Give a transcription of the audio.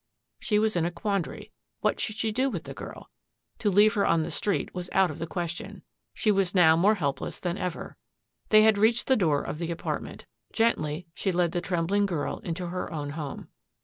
She was in a quandary. What should she do with the girl? To leave her on the street was out of the question. She was now more helpless than ever. They had reached the door of the apartment. Gently she led the trembling girl into her own home.